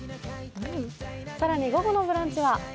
更に午後の「ブランチ」は？